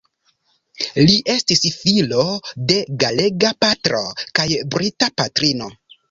Li estis filo de galega patro kaj brita patrino.